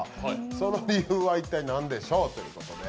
その理由は一体何でしょうということで。